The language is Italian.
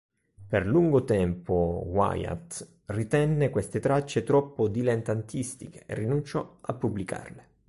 Per lungo tempo Wyatt ritenne queste tracce troppo dilettantistiche e rinunciò a pubblicarle.